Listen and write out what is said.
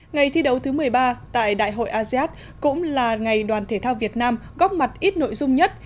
ngày thi đấu thứ một mươi ba tại đại hội asean cũng là ngày đoàn thể thao việt nam góp mặt ít nội dung nhất